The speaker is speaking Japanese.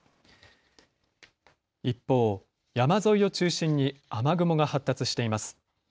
一方、山沿いを中心に雨雲が発達しています。